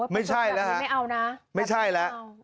ไม่ใช่แล้วฮะไม่ใช่แล้ว